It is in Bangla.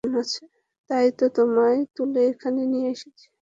তাই ও তোমায় তুলে এখানে নিয়ে এসেছে।